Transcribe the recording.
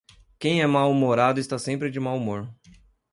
Quem é mal-humorado está sempre de mau humor!